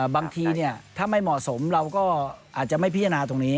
บางทีถ้าไม่เหมาะสมเราก็อาจจะไม่พิจารณาตรงนี้